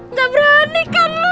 nggak berani kan lu